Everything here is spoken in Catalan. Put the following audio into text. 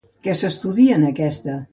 Què s'estudia en aquesta?